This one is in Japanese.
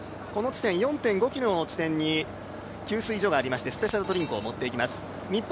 この４．５ｋｍの地点に給水所がありましてスペシャルドリンクを持って行きます。